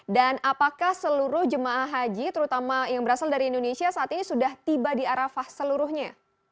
dan apakah seluruh jemaah haji terutama yang berasal dari indonesia saat ini sudah tiba di arafah seluruhnya